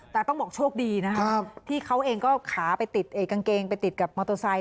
แต่ต้องบอกโชคดีนะครับที่เขาเองก็ขาไปติดกางเกงไปติดกับมอเตอร์ไซค